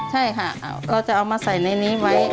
ใช่ค่ะเราจะเอามาใส่ในนี้ไว้